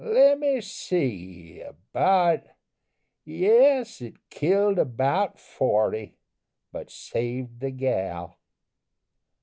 Lemme see about Yes, it killed about forty but saved the gal!"